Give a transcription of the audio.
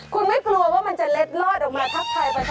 คุณไม่กลัวว่ามันจะเล็ดลอดออกมาทักทายประชาชน